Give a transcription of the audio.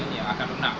yang akan lunak